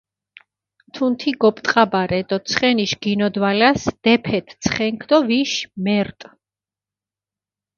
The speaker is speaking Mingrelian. თუნთი გოპტყაბარე დო ცხენიშ გინოდვალას დეფეთჷ ცხენქ დო ვიშ მერტჷ.